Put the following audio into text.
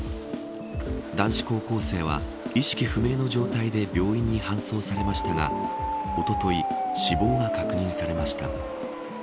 男子高校生は意識不明の状態で病院に搬送されましたがおととい死亡が確認されました。